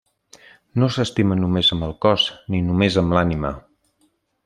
No s'estima només amb el cos ni només amb l'ànima.